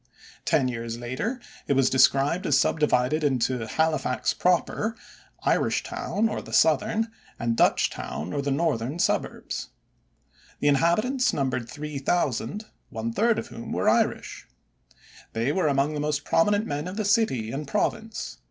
Ten years later it was described as divided into Halifax proper, Irishtown or the southern, and Dutchtown or the northern, suburbs. The inhabitants numbered 3,000, one third of whom were Irish. They were among the most prominent men of the city and province.